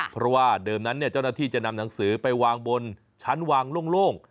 เพราะว่าเดิมนั้นเจ้าหน้าที่จะนำหนังสือไปวางบนชั้นวางโล่ง